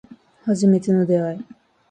初めての出会い